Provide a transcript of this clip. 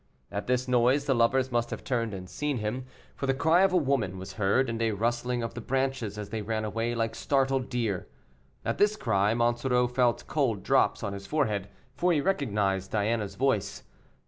At this noise the lovers must have turned and seen him, for the cry of a woman was heard, and a rustling of the branches as they ran away like startled deer. At this cry, Monsoreau felt cold drops on his forehead, for he recognized Diana's voice.